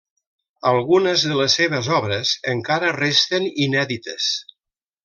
Algunes de les seves obres encara resten inèdites.